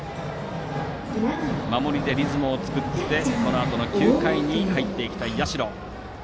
守りでリズムを作ってこのあとの９回に入っていきたい、社。